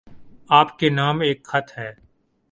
آپ کے نام ایک خط ہے